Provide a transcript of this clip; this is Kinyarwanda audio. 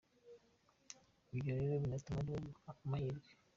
Ibyo rero biratuma ariwe mpa amahirwe.